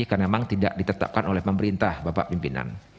karena memang tidak ditetapkan oleh pemerintah bapak pimpinan